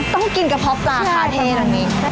ต้องกินกระเพาะปลาคาเทนะ